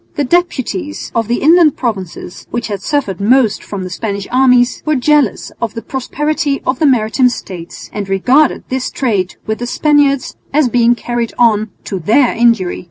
The deputies of the inland provinces, which had suffered most from the Spanish armies, were jealous of the prosperity of the maritime States, and regarded this trade with the Spaniard as being carried on to their injury.